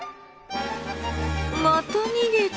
また逃げた。